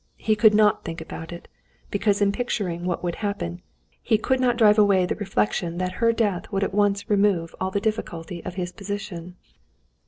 He could not think about it, because in picturing what would happen, he could not drive away the reflection that her death would at once remove all the difficulty of his position.